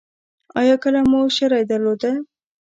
ایا کله مو شری درلوده؟